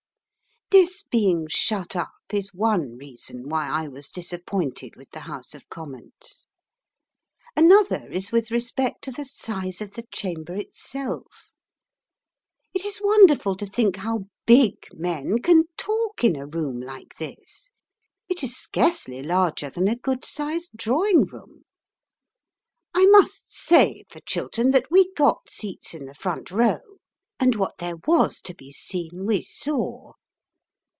This being shut up is one reason why I was disappointed with the House of Commons. Another is with respect to the size of the chamber itself. It is wonderful to think how big men can talk in a room like this. It is scarcely larger than a good sized drawing room. I must say for Chiltern that we got seats in the front row, and what there was to be seen we saw.